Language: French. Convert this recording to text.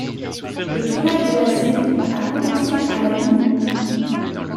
Le tournage de la série à commencer à la mi-.